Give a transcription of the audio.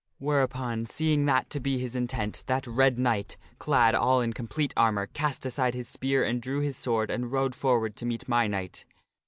Whereupon, seeing that to be his intent, that Red Knight, clad all in complete armor, cast aside his spear and drew his sword and rode forward to meet my knight.